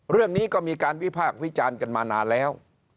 เรื่องนี้ก็มีการวิพากษ์วิจารณ์กันมานานแล้ว